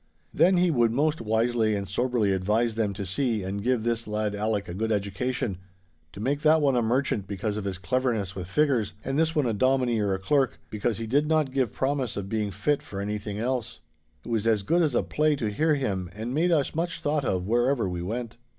Then he would most wisely and soberly advise them to see and give this lad Alec a good education, to make that one a merchant because of his cleverness with figures, and this a dominie or a clerk, because he did not give promise of being fit for anything else. It was as good as a play to hear him, and made us much thought of whereever we went.